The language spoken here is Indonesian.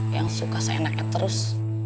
yang suka seenaknya terus